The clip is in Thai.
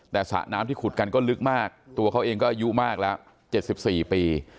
แต่สระน้ำที่ขุดกันก็ลึกมากตัวเขาเองก็อายุมากแล้ว๗๔ปี